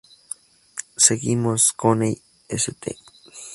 Seguimos "Coney St.